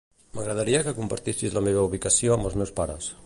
M'agradaria que compartissis la meva ubicació amb els meus pares.